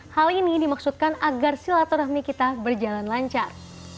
hal ini dimaksudkan agar silaturahmi kita berjalan lancar